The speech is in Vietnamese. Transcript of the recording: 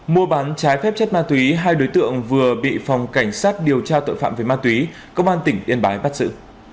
mua bán trái phép chất ma túy hai đối tượng vừa bị phòng cảnh sát điều tra tội phạm về ma túy công an tỉnh yên bái bắt xử